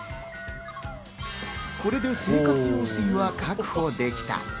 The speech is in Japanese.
これで生活用水は確保できた。